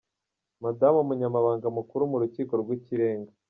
-Madamu Umunyamabanga Mukuru mu Rukiko rw’Ikirenga.